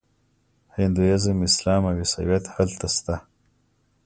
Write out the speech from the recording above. هندویزم اسلام او عیسویت هلته شته.